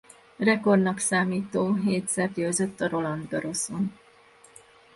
Rekordnak számító hétszer győzött a Roland Garroson.